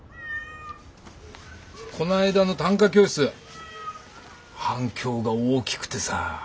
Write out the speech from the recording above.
この間の短歌教室反響が大きくてさ。